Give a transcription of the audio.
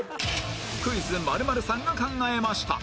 「クイズ○○さんが考えました」